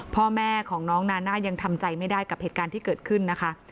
พ่อแม่ของน้องนาน่ายังทำใจไม่ได้กับเหตุการณ์ที่เกิดขึ้นนะคะ